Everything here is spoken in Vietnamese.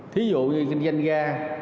thí dụ như kinh doanh ga